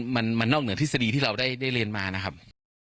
มันนอกเหนือทฤษฎีที่เราได้เรียนมานะครับ